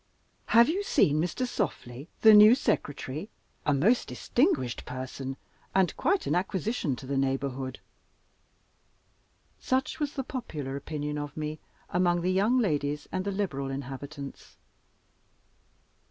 "Have you seen Mr. Softly, the new Secretary? A most distinguished person, and quite an acquisition to the neighborhood." Such was the popular opinion of me among the young ladies and the liberal inhabitants.